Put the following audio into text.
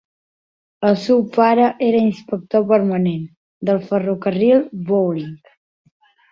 El seu pare era inspector permanent del ferrocarril Bowling.